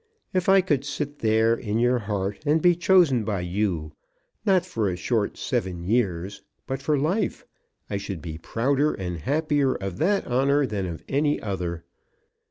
If I could sit there, in your heart, and be chosen by you, not for a short seven years, but for life, I should be prouder and happier of that honour than of any other.